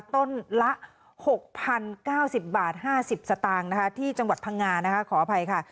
ต้นละ๖๐๙๐บาท๕๐สตางค์นะคะที่จังหวัดพังงานะคะขออภัยค่ะ